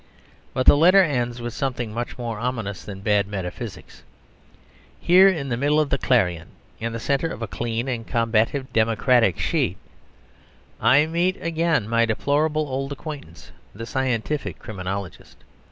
But the letter ends with something much more ominous than bad metaphysics. Here, in the middle of the "Clarion," in the centre of a clean and combative democratic sheet, I meet again my deplorable old acquaintance, the scientific criminologist.